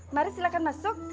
mari silakan masuk